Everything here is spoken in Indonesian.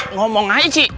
ngomong aja sih